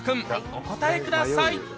お答えください